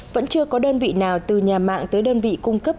vẫn chưa có đơn vị nào từ nhà mạng tới đơn vị cung cấp